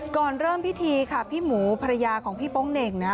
ก่อนเริ่มพิธีค่ะพี่หมูภรรยาของพี่โป๊งเหน่งนะ